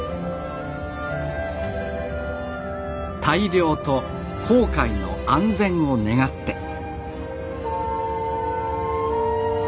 大漁と航海の安全を願って。